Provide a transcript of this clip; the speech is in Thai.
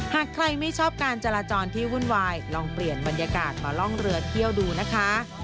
หากใครไม่ชอบการจราจรที่วุ่นวายลองเปลี่ยนบรรยากาศมาล่องเรือเที่ยวดูนะคะ